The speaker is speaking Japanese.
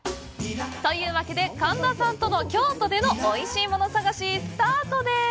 というわけで神田さんとの京都でのおいしいもの探しスタートです！